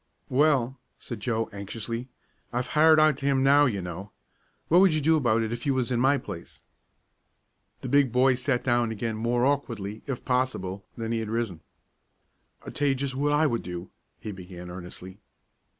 "Well," said Joe, anxiously, "I've hired out to him now, you know. What would you do about it if you was in my place?" The big boy sat down again more awkwardly, if possible, than he had risen. "I'll tell ye jest what I would do," he began earnestly.